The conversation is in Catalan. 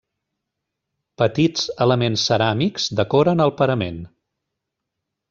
Petits elements ceràmics decoren el parament.